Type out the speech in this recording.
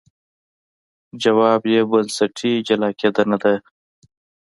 ځواب یې بنسټي جلا کېدنه ده.